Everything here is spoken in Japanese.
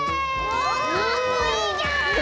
おっかっこいいじゃん！